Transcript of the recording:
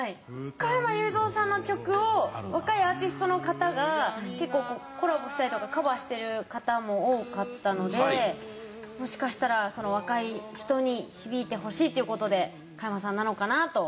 加山雄三さんの曲を若いアーティストの方が結構コラボしたりとかカバーしてる方も多かったのでもしかしたら若い人に響いてほしいっていう事で加山さんなのかなと思いました。